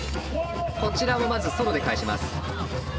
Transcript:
こちらもまずソロで返します。